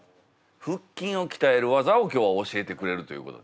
腹筋を鍛える技を今日は教えてくれるということで。